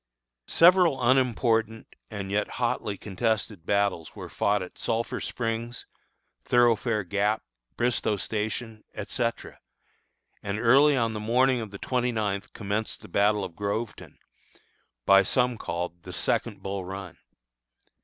Several unimportant and yet hotly contested battles were fought at Sulphur Springs, Thoroughfare Gap, Bristoe Station, etc., and early on the morning of the twenty ninth commenced the battle of Groveton, by some called the second Bull Run.